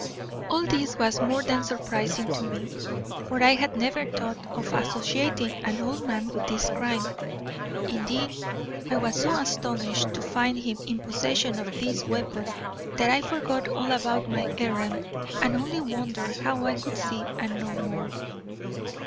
"All this was more than surprising to me, for I had never thought of associating an old man with this crime. Indeed, I was so astonished to find him in possession of this weapon that I forgot all about my errand and only wondered how I could see and know more.